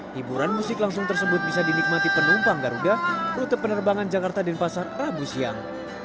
hiburan musik langsung tersebut bisa dinikmati penumpang garuda rute penerbangan jakarta denpasar rabu siang